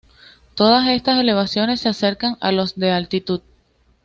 Todas estas elevaciones se acercan a los de altitud.